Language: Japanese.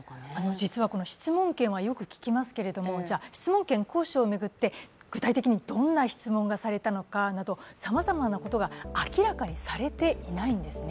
実は質問権はよく聞きますけども、では質問権行使を巡って具体的にどんな質問がされたのかなどさまざまなことが明らかにされていないんですね。